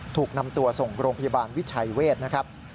ถูกนำตัวส่งโรงพยาบาลวิชัยเวศนะครับ